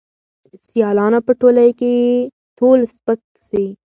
د سیالانو په ټولۍ کي یې تول سپک سي